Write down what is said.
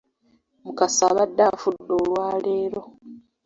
Mukasa abadde afudde olwaleero!